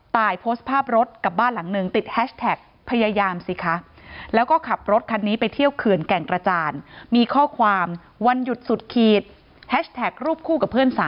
ตายโพสต์ภาพรถกลับบ้านหลังหนึ่งติดแฮชแท็กพยายามสิคะ